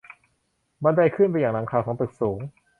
บันไดขึ้นไปยังหลังคาของตึกสูง